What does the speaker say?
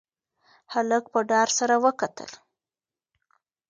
هلک په ډار سره وکتل.